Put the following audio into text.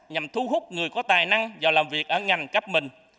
nhằm thu hút người có tài năng vào làm việc ở ngành cấp mình